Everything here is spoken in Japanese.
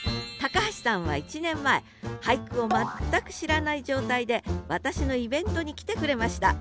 橋さんは１年前俳句を全く知らない状態で私のイベントに来てくれました。